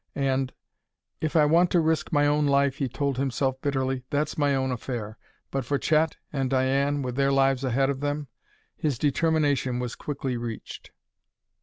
And: "If I want to risk my own life," he told himself bitterly, "that's my own affair. But for Chet, and Diane, with their lives ahead of them " His determination was quickly reached.